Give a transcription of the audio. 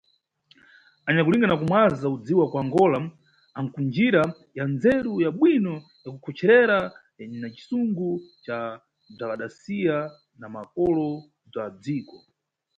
Anyakulinga na kumwaza udziwi wa kuAngola anku ndjira ya ndzeru ya bwino ya kukhocherera na cisungo ca bzwadasiya na makolo bzwa dziko.